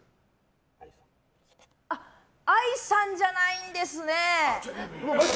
ＡＩさんじゃないんですね。